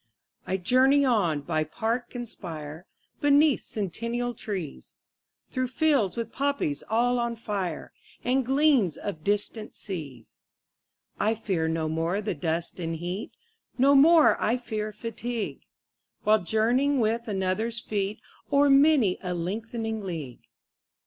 20 I journey on by park and spire, Beneath centennial trees, Through fields with poppies all on fire, And gleams of distant seas. I fear no more the dust and heat, 25 No more I fear fatigue, While journeying with another's feet O'er many a lengthening league.